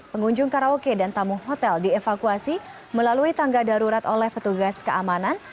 pengunjung karaoke dan tamu hotel dievakuasi melalui tangga darurat oleh petugas keamanan